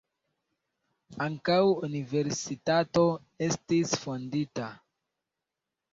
Ankaŭ universitato estis fondita.